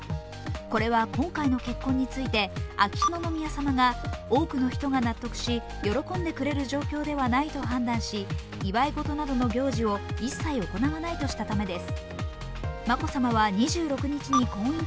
これは今回の結婚について秋篠宮さまが多くの人が納得し、喜んでくれる状況ではないと判断し、祝い事などの行事を一切行わないとしたためです。